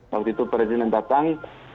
waktu itu presiden datang